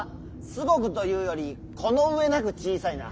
「すごく」というより「この上なく小さい」な。